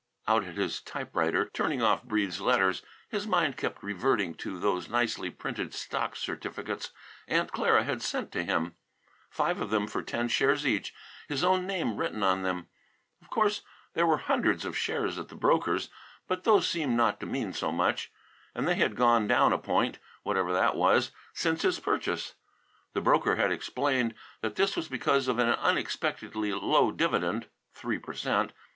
Out at his typewriter, turning off Breede's letters, his mind kept reverting to those nicely printed stock certificates Aunt Clara had sent to him, five of them for ten shares each, his own name written on them. Of course there were hundreds of shares at the brokers', but those seemed not to mean so much. And they had gone down a point, whatever that was, since his purchase. The broker had explained that this was because of an unexpectedly low dividend, 3 per cent.